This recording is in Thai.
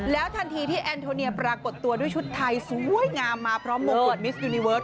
ทันทีที่แอนโทเนียปรากฏตัวด้วยชุดไทยสวยงามมาพร้อมมงกฎมิสยูนิเวิร์